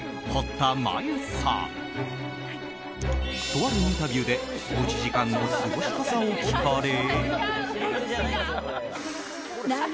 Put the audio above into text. とあるインタビューでおうち時間の過ごし方を聞かれ。